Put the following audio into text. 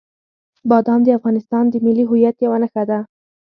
بادام د افغانستان د ملي هویت یوه نښه ده.